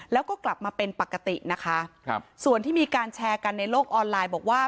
แล้วก็กลับมาเป็นปกตินะคะครับส่วนที่มีการแชร์กันในโลกออนไลน์บอกว่า